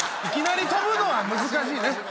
いきなり跳ぶのは難しいね。